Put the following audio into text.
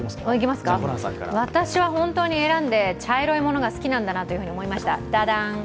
私は、本当に選んで、茶色いものが好きなんだなと思いました。